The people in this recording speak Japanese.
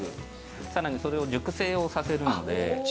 更にそれを熟成をさせるので。